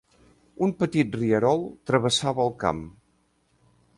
Un petit rierol travessava el camp.